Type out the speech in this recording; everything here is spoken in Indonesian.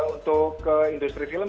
untuk industri film